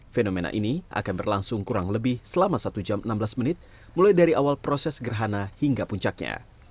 fenomena ini akan berlangsung kurang lebih selama satu jam enam belas menit mulai dari awal proses gerhana hingga puncaknya